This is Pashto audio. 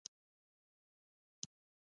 نیوټرون خنثی دی او هیڅ ډول چارچ نلري.